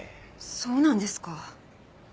そうなんですか。